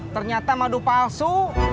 ternyata madu palsu